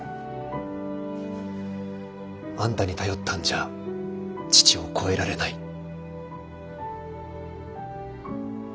あんたに頼ったんじゃ父を超えられない。